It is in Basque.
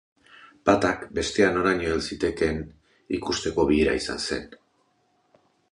Batak bestea noraino hel zitekeen ikusteko bilera izan zen.